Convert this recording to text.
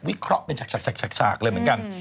เคราะห์เป็นฉากเลยเหมือนกัน